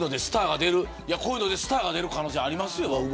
こういうのでスターが出る可能性ありますよ。